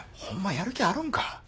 やる気あるんか？